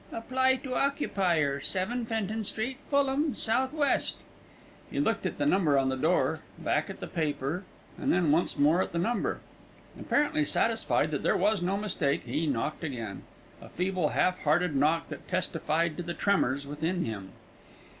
Apply to occupier, 7 Fenton Street, Fulham, S.W. He looked at the number on the door, back again at the paper, then once more at the number. Apparently satisfied that there was no mistake, he knocked again, a feeble, half hearted knock that testified to the tremors within him.